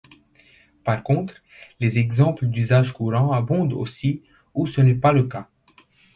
Par contre, les exemples d'usage courant abondent aussi où ce n'est pas le cas.